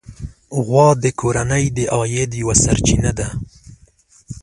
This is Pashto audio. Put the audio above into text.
غوا د کورنۍ د عاید یوه سرچینه ده.